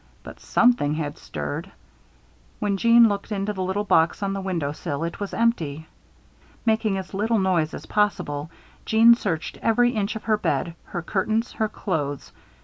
But something had stirred. When Jeanne looked into the little box on the window sill it was empty. Making as little noise as possible, Jeanne searched every inch of her bed, her curtains, her clothes.